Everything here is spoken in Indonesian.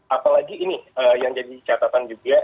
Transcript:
apalagi ini yang jadi catatan juga